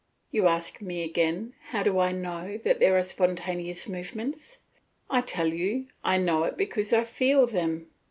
You ask me again, how do I know that there are spontaneous movements? I tell you, "I know it because I feel them."